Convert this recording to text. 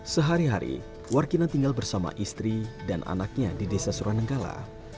sehari hari warkina tinggal bersama istri dan anaknya di desa suranenggala